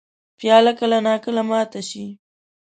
پیاله کله نا کله ماته شي.